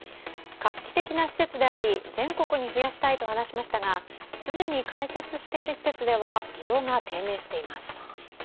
画期的な施設であり、全国に増やしたいと話しましたが既に開設している施設では利用が低迷しています。